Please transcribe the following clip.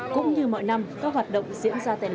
cũng như mọi năm các hoạt động diễn ra tại nơi này